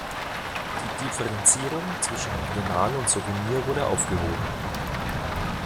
Die Differenzierung zwischen Original und Souvenir wurde aufgehoben.